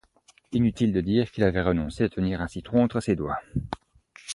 Inutile de dire qu’il avait renoncé à tenir un citron entre ses doigts.